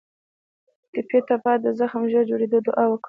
ټپي ته باید د زخم ژر جوړېدو دعا وکړو.